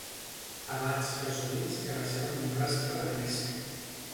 Abats presumits que deixaven un rastre de mesc